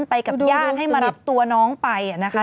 ไปกับญาติให้มารับตัวน้องไปนะคะ